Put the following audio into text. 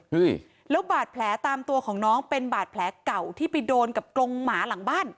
แล้วบาดแผลตามตัวของน้องเป็นบาดแผลเก่าที่ไปโดนกับกรงหมาหลังบ้าน